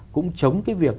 cũng chống cái việc